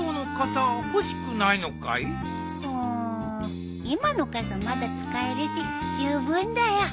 うん今の傘まだ使えるし十分だよ。